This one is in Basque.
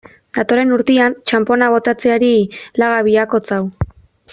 Datorren urtean, txanpona botatzeari utzi beharko diogu.